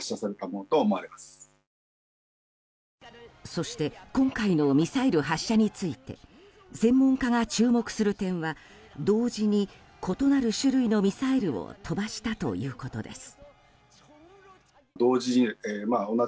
そして今回のミサイル発射について専門家が注目する点は同時に異なる種類のミサイルを飛ばしたということです。